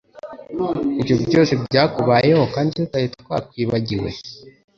Ibyo byose byatubayeho kandi tutari twakwibagiwe